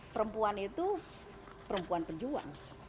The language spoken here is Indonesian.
perempuan itu perempuan perjuang